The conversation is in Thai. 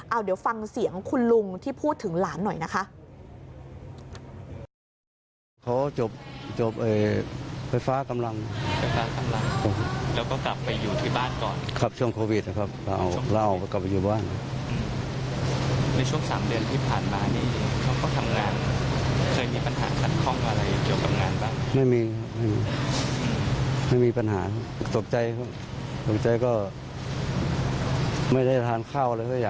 เอาเดี๋ยวฟังเสียงคุณลุงที่พูดถึงหลานหน่อยนะคะ